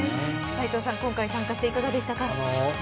斎藤さん、今回参加してみていかがでしたか。